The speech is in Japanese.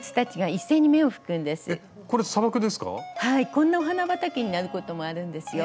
こんなお花畑になることもあるんですよ。